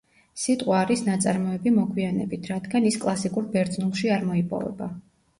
სიტყვა არის ნაწარმოები მოგვიანებით რადგან ის კლასიკურ ბერძნულში არ მოიპოვება.